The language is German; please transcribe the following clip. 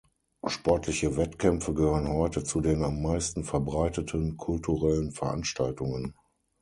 Sportliche Wettkämpfe gehören heute zu den am meisten verbreiteten kulturellen Veranstaltungen.